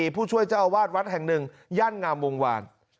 ผู้ช่วยเจ้าอาวาสวัดแห่งหนึ่งย่านงามวงวาน